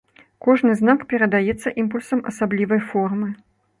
Кожны знак перадаецца імпульсам асаблівай формы.